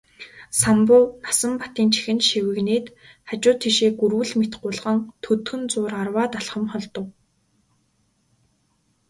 Самбуу Насанбатын чихэнд шивгэнээд хажуу тийшээ гүрвэл мэт гулган төдхөн зуур арваад алхам холдов.